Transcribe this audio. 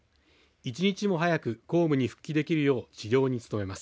１日も早く公務に復帰できるよう治療に努めます。